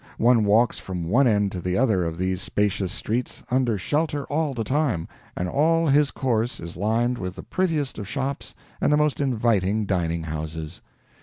One walks from one end to the other of these spacious streets, under shelter all the time, and all his course is lined with the prettiest of shops and the most inviting dining houses.